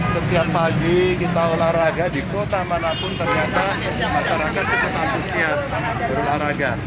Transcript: setiap pagi kita olahraga di kota manapun ternyata masyarakat cukup antusias berolahraga